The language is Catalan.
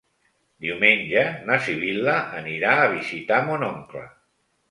Diumenge na Sibil·la anirà a visitar mon oncle.